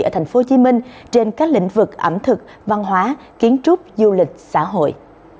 ở tp hcm trên các lĩnh vực ẩm thực văn hóa kiến trúc du lịch xã hội